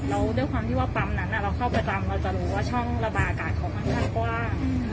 แล้วด้วยความที่ว่าปั๊มนั้นเราเข้าประจำเราจะรู้ว่าช่องระบายอากาศเขาค่อนข้างกว้าง